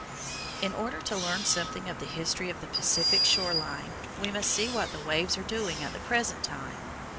In order to learn something of the history of the Pacific shore line, we must see what the waves are doing at the present time.